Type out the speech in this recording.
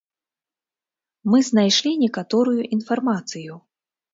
Мы знайшлі некаторую інфармацыю.